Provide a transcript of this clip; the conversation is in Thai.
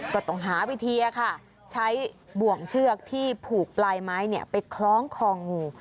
ก็ต้องหาวิธีค่ะใช้บ่วงเชือกที่ผูกปลายไม้ไปคล้องคองู